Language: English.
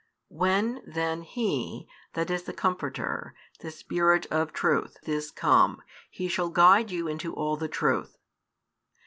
When then "He," that is the Comforter, the Spirit of Truth, is come, He shall guide you into all the truth.